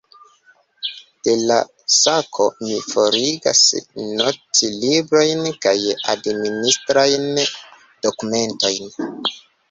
De la sako, mi forigas notlibrojn kaj administrajn dokumentojn.